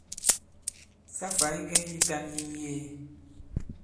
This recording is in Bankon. Sa fày ŋgɛŋ yitan yi ŋ̀yee.